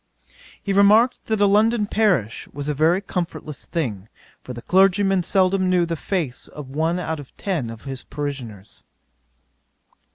'He remarked, that a London parish was a very comfortless thing; for the clergyman seldom knew the face of one out of ten of his parishioners.